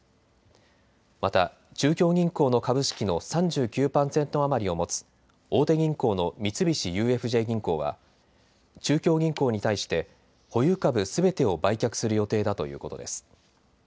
また中京銀行の株式の３９％余りを持つ大手銀行の三菱ＵＦＪ銀行は中京銀行に対して保有株すべてを売却する予定だということです。